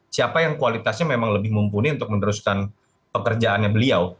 siapa yang kualitasnya memang lebih mumpuni untuk meneruskan pekerjaannya beliau